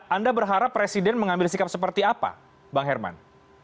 anda berharap presiden mengambil sikap seperti apa bang herman